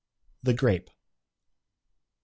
] THE GRAPE. C.